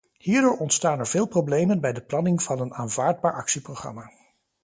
Hierdoor ontstaan er veel problemen bij de planning van een aanvaardbaar actieprogramma.